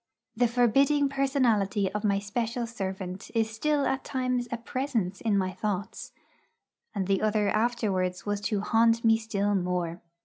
The forbidding personality of my special servant is still at times a presence in my thoughts; and the other afterwards was to haunt me still more.